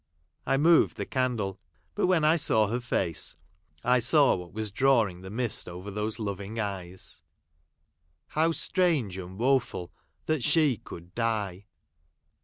I moved the candle — but when I saw her face, I saw what was drawing the mist over those loving eyes — how strange and woeful that she could die